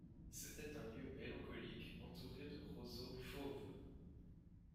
C'était un lieu mélancolique entouré de roseaux fauves.